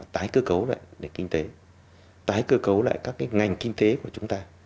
tái cơ cấu lại kinh tế tái cơ cấu lại các ngành kinh tế của chúng ta